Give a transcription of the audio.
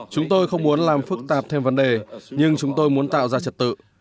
chúng tôi không muốn làm phức tạp thêm vấn đề nhưng chúng tôi muốn tạo ra trật tự